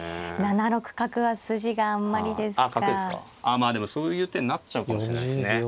ああまあでもそういう手になっちゃうかもしれないですね。